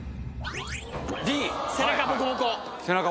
Ｂ背中ボコボコ。